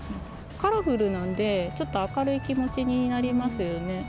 カラフルなんで、ちょっと明るい気持ちになりますよね。